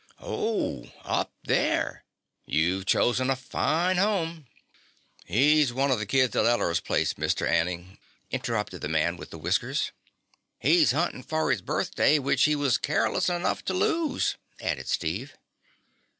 "Oh, up there! You've chosen a fine home " "He's one of the kids at Eller's place, Mr. Anning," interrupted the man with the whiskers. "He's huntin' for his birthday which he was careless enough to lose," added Steve.